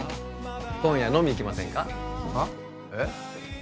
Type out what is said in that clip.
今夜飲み行きませんか？